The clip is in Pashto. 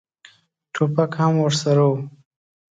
ټوپک هم ورسره و.